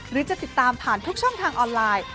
หรือจะติดตามผ่านทุกช่องทางออนไลน์